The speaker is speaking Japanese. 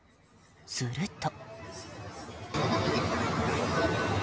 すると。